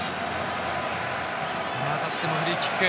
またしてもフリーキック。